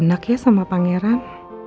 senang ya sama pangeran